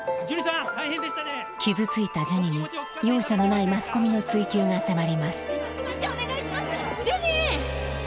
傷ついたジュニに容赦のないマスコミの追及が迫りますジュニ！